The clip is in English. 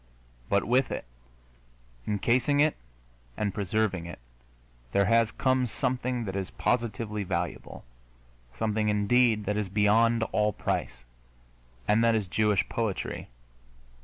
But with it, encasing it and preserving it, there has come something that is positively valuable something, indeed, that is beyond all price and that is Jewish poetry.